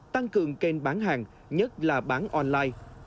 tăng cường kênh bán hàng nhất là bán online